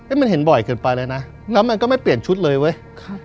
มันเห็นบ่อยเกินไปแล้วนะแล้วมันก็ไม่เปลี่ยนชุดเลยเว้ย